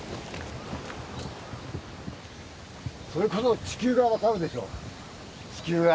それこそ地球が分かるでしょう地球が！